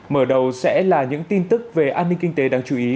mở đầu sẽ là những tin tức về an ninh kinh tế đáng chú ý